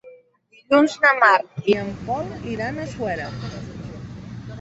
Dilluns na Mar i en Pol iran a Suera.